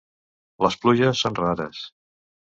Les pluges són rares.